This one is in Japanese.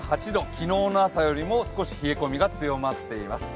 昨日の朝よりも少し冷え込みが強まっています。